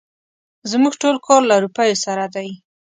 زموږ ټول کار له روپيو سره دی.